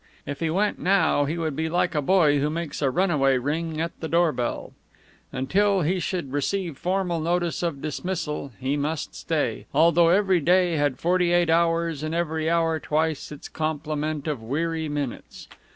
If he went now, he would be like a boy who makes a runaway ring at the doorbell. Until he should receive formal notice of dismissal, he must stay, although every day had forty eight hours and every hour twice its complement of weary minutes.